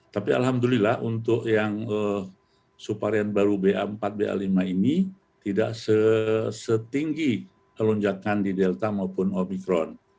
tapi alhamdulillah untuk yang subvarian baru ba empat ba lima ini tidak setinggi lonjakan di delta maupun omikron